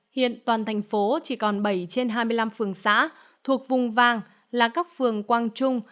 hiện toàn thành phố chỉ còn bảy trên hai mươi năm phường xã thuộc vùng vàng là các phường quang trung